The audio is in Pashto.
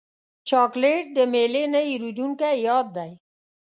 چاکلېټ د میلې نه هېرېدونکی یاد دی.